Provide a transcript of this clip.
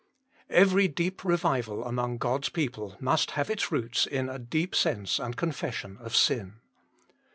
Every deep revival among God s people must have its roots in a deep sense and confession of sin.